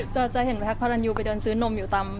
จะเห็นแพ็คพารันยูไปเดินซื้อนมอยู่ตาม